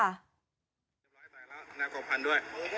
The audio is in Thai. ทำได้ไหมไปแล้ว